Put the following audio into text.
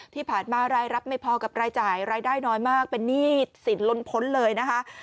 ที่ผ่านมารายรับไม่พอกับรายจ่ายรายได้น้อยมากเป็นหนี้สินล้นพ้นเลยนะคะ